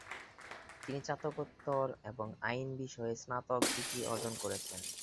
তিনি স্নাতকোত্তর এবং আইন বিষয়ে স্নাতক ডিগ্রি অর্জন করেছেন।